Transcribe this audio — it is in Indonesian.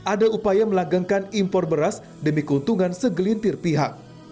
ada upaya melanggengkan impor beras demi keuntungan segelintir pihak